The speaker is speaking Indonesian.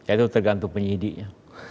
itu tergantung penyihidinya